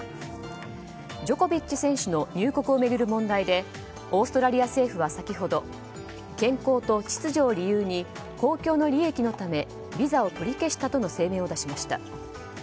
ジョコビッチ選手の入国を巡る問題でオーストラリア政府は先ほど健康と秩序を理由に公共の利益のためビザを取り消したとの声明を出しました。